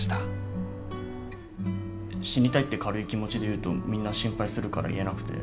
死にたいって軽い気持ちで言うとみんな心配するから言えなくて。